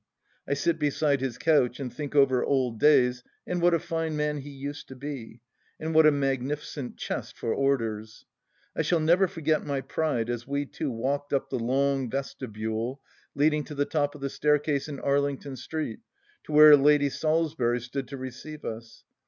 I sit beside his couch and think over old days and what a fine man he used to be, and what a magnificent chest for orders ! I shall never forget my pride as we two walked up the long vestibule leading to the top of the staircase in Arlington Street to where Lady Salisbury stood to receive us